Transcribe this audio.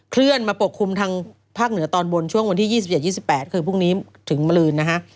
เลื่อนมาปกคลุมทางภาคเหนือตอนบนช่วงวันที่๒๗๒๘คือพรุ่งนี้ถึงมลืนนะฮะ